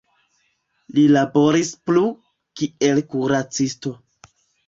Li laboris plu, kiel kuracisto.